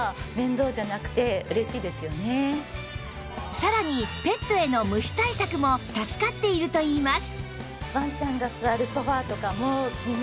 さらにペットへの虫対策も助かっているといいます